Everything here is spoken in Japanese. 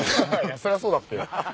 そりゃそうだっぺ。